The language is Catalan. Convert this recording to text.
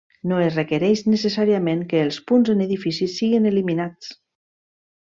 No es requereix necessàriament que els punts en edificis siguin eliminats.